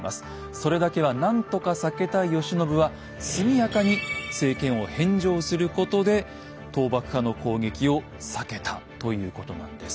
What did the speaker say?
それだけは何とか避けたい慶喜は速やかに政権を返上することで倒幕派の攻撃を避けたということなんです。